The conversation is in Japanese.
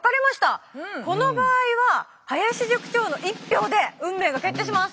この場合は林塾長の１票で運命が決定します。